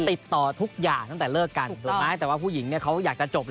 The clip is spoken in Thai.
ติดต่อทุกอย่างตั้งแต่เลิกกันถูกไหมแต่ว่าผู้หญิงเนี่ยเขาอยากจะจบ